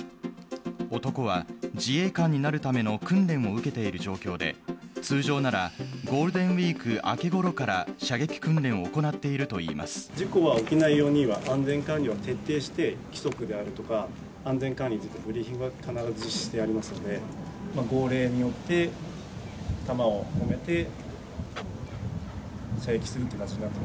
男は自衛官になるための訓練を受けている状況で、通常ならゴールデンウィーク明けごろから射撃訓練を行っていると事故は起きないようには安全管理を徹底して、規則であるとか、安全管理についてのブリーフィングは必ずしてありますので、号令によって弾をこめて、射撃するっていう感じ。